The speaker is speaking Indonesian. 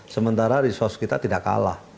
sementara resource kita tidak kalah